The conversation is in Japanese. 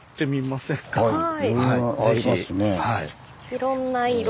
いろんな色。